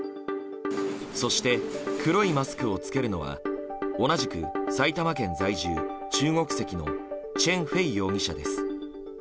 そして黒いマスクを着けるのは同じく埼玉県在住、中国籍のチェン・フェイ容疑者です。